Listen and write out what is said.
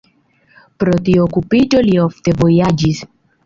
Pro tiu okupiĝo li ofte vojaĝis.